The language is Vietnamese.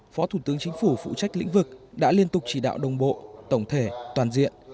phó thủ tướng chính phủ phụ trách lĩnh vực đã liên tục chỉ đạo đồng bộ tổng thể toàn diện